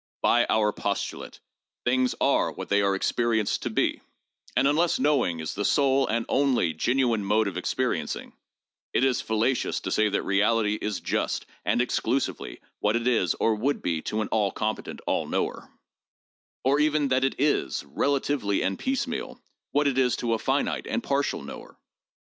By our postulate, things are what they are experienced to be ; and, unless knowing is the sole and only gen uine mode of experiencing, it is fallacious to say that Reality is just and exclusively what it is or would be to an all competent all knower ; or even that it is, relatively and piecemeal, what it is to a finite and partial knower.